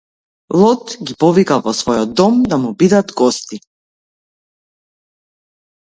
Лот ги повикал во својот дом да му бидат гости.